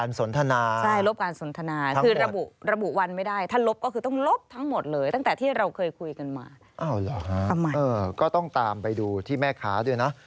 อ้าวเหรอฮะก็ต้องตามไปดูที่แม่ค้าด้วยนะ